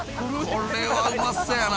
これはうまそうやな。